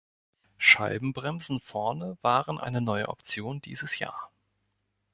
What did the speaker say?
Scheibenbremsen vorne waren eine neue Option dieses Jahr.